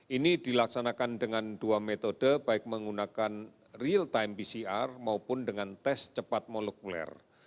ini dilaksanakan dengan dua metode baik menggunakan real time pcr maupun dengan tes cepat molekuler